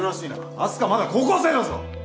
明日香まだ高校生だぞ！